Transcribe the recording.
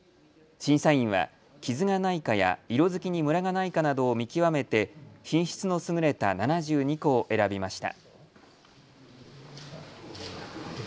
審査員は傷がないかや、色づきにムラがないかなどを見極めて品質の優れた７２個を選びました。